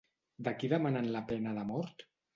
De qui demanen la pena de mort?